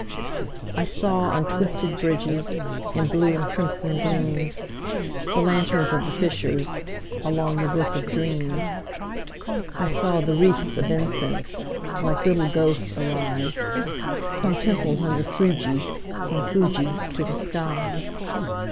I saw, on twisted bridges, In blue and crimson gleams, The lanterns of the fishers, Along the brook of dreams. I saw the wreathes of incense Like little ghosts arise, From temples under Fuji, From Fuji to the skies.